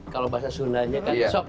kalau bahasa sundanya kan sok